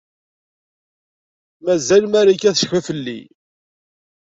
Mazal Marika tecfa fell-i?